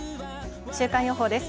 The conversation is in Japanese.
週間予報です。